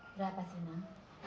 berapa sih nak